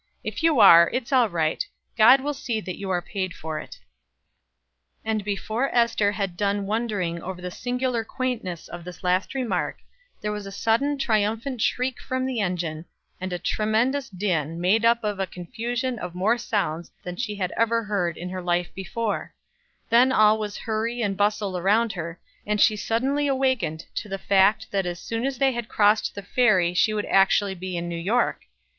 If you are, it's all right; God will see that you are paid for it." And before Ester had done wondering over the singular quaintness of this last remark there was a sudden triumphant shriek from the engine, and a tremendous din, made up of a confusion of more sounds than she had ever heard in her life before; then all was hurry and bustle around her, and she suddenly awakened to the fact that as soon as they had crossed the ferry she would actually be in New York.